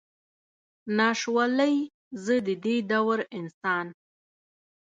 ناش ولئ، زه ددې دور انسان.